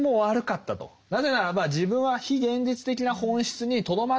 なぜならば自分は非現実的な本質にとどまっていた。